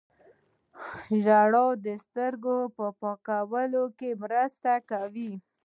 ژړا د سترګو پاکولو کې مرسته کوي